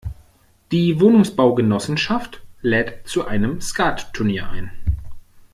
Die Wohnungsbaugenossenschaft lädt zu einem Skattunier ein.